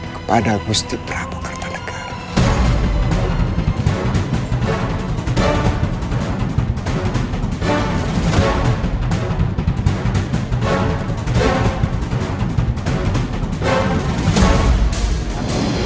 kepada gusti prabu kartanegara